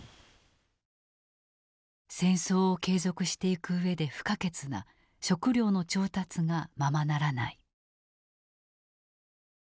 戦争を継続していく上で不可欠な食糧の調達がままならない。